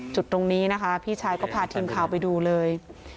จุดตรงนี้นะคะพี่ชายก็พาทีมข่าวไปดูเลย